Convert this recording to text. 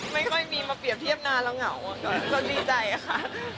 ไม่ค่อยมีมาเปรียบเทียบนานเราเหงาก็ดีใจค่ะ